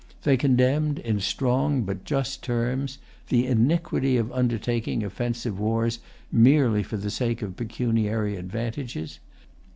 They condemned, in strong but just terms, the iniquity of undertaking offensive wars merely for the sake of pecuniary advantages.